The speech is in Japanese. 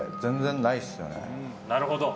なるほど。